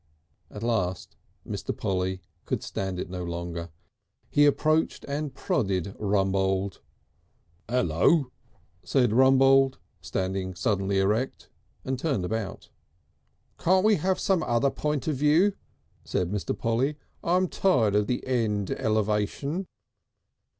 At last Mr. Polly could stand it no longer. He approached and prodded Rumbold. "Ello!" said Rumbold, suddenly erect and turned about. "Can't we have some other point of view?" said Mr. Polly. "I'm tired of the end elevation."